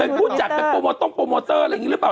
เป็นผู้จัดต้องโปรโมเตอร์อะไรอย่างนี้หรือเปล่า